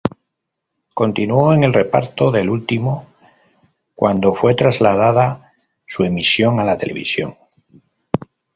Continuó en el reparto del último, cuando fue trasladada su emisión a la televisión.